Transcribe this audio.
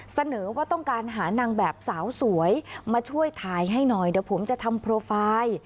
เสนอว่าต้องการหานางแบบสาวสวยมาช่วยถ่ายให้หน่อยเดี๋ยวผมจะทำโปรไฟล์